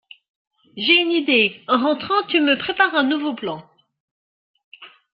J’ai une idée. En rentrant, tu me prépares un nouveau plan.